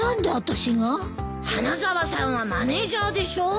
花沢さんはマネジャーでしょ。